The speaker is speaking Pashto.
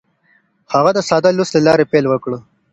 هغه د ساده لوست له لارې پیل وکړ.